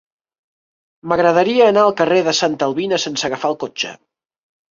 M'agradaria anar al carrer de Santa Albina sense agafar el cotxe.